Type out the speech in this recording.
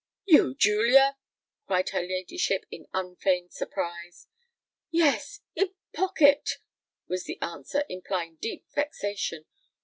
"You, Julia!" cried her ladyship, in unfeigned surprise. "Yes—in pocket," was the answer, implying deep vexation.